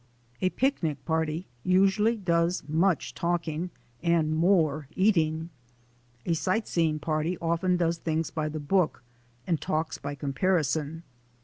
A picnic party usually does much talking and more eating. A sight seeing party often does things by the book and talks by comparison.